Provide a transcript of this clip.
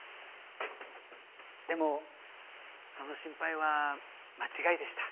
でもその心配は間違いでした。